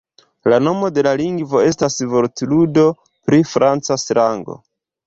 La nomo de la lingvo estas vortludo pri franca slango.